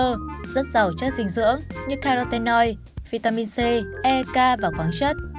rất giàu chất dinh dưỡng như carotenoid vitamin c e k và quáng chất